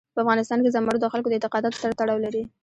په افغانستان کې زمرد د خلکو د اعتقاداتو سره تړاو لري.